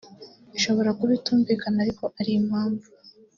ishobora kuba itumvikana ariko ari impamvu